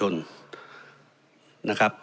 นะครับ